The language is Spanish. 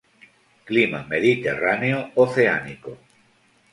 Clima mediterráneo oceánico.